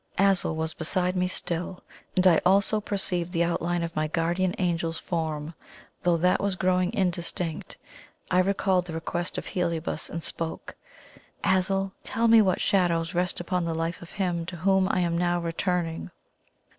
Azul was beside me still, and I also perceived the outline of my guardian Angel's form, though that was growing indistinct. I now recalled the request of Heliobas, and spoke: "Azul, tell me what shadow rests upon the life of him to whom I am now returning?"